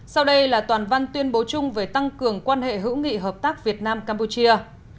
sau đây là toàn văn tuyên bố chung về tăng cường quan hệ hữu nghị hợp tác việt nam campuchia